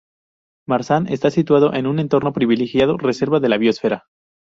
Marzán está situado en un entorno privilegiado, reserva de la biosfera.